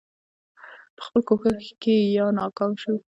په خپل کوښښ کې یا ناکام شو.